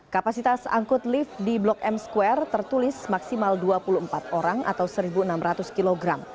kapasitas angkut lift di blok m square tertulis maksimal dua puluh empat orang atau satu enam ratus kg